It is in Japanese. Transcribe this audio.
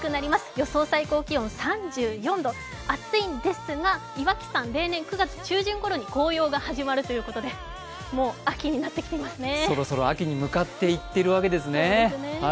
予想最高気温３４度、暑いんですが岩木山、例年９月中旬ぐらいに紅葉が始まるということでそろそろ秋に向かっていってるわけですね。